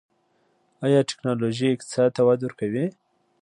آیا ټیکنالوژي اقتصاد ته وده ورکوي؟